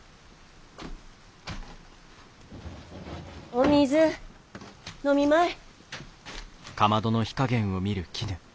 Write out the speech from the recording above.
お水飲みまい。